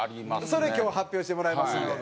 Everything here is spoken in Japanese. それ今日発表してもらいますんで。